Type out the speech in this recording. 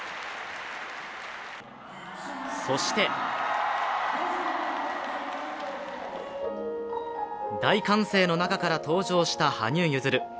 そして大歓声の中から登場した羽生結弦。